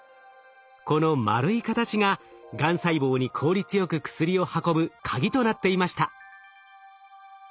この丸い形ががん細胞に効率よく薬を運ぶ鍵となっていました。